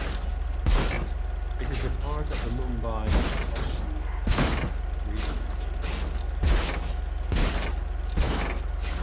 It is a part of the Mumbai Metropolitan Region.